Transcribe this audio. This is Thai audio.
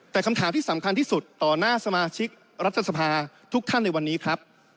แต่คำถามที่สำคัญที่สุดต่อหน้าสมาชิกรัฐสภาทุกท่านในวันนี้ครับ